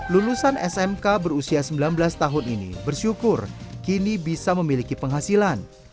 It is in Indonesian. lulusan smk berusia sembilan belas tahun ini bersyukur kini bisa memiliki penghasilan